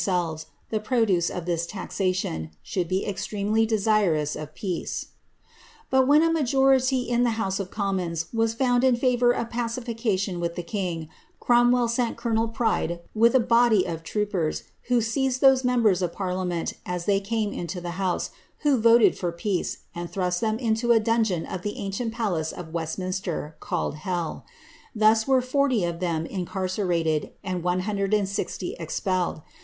ves the produce of this taxation, should be extremely desirous a ■>■ A'hen a majority in the House of Commons was found in favour Scation with the king, Cromwell sent colonel Pride with a body )ers, who seized tiiose members of parliament as they came into ise« who voteil for peace, and thrust them into a dungeon of the palace of Westminster, called Hell. Thus were forty of them raced, and one hundred and sixty expelled.